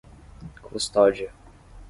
Custódia